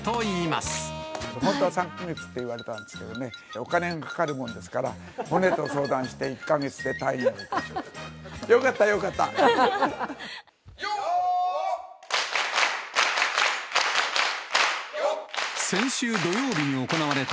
本当は３か月って言われたんですけどね、お金がかかるものですから、骨と相談して、１か月で退院しました。